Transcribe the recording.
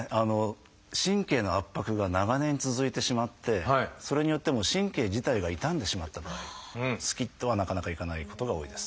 神経の圧迫が長年続いてしまってそれによってもう神経自体が傷んでしまった場合スキッとはなかなかいかないことが多いです。